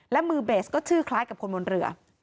และมือเบสก็ชื่อคล้ายกับคนบนเรือ